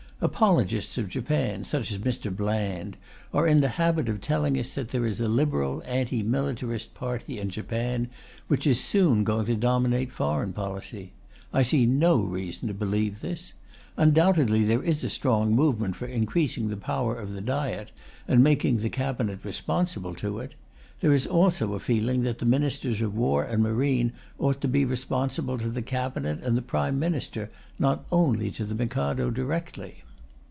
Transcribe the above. Apologists of Japan, such as Mr. Bland, are in the habit of telling us that there is a Liberal anti militarist party in Japan, which is soon going to dominate foreign policy. I see no reason to believe this. Undoubtedly there is a strong movement for increasing the power of the Diet and making the Cabinet responsible to it; there is also a feeling that the Ministers of War and Marine ought to be responsible to the Cabinet and the Prime Minister, not only to the Mikado directly.